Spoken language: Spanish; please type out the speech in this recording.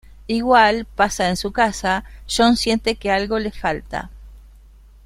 Igual pasa en su casa; John siente que algo le falta.